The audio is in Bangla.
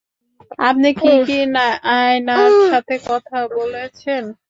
আপনি কি কি নাইনার সাথে কথা বলেছেন?